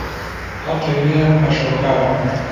عەقڵی لێ پەشۆکاوە